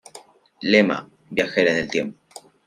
Lema: "Viajera en el Tiempo".